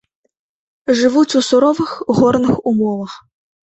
Жывуць у суровых горных умовах.